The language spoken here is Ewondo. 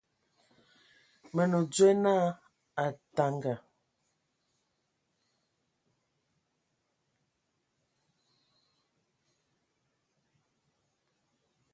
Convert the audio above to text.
Mə nə dzwe na Ataŋga.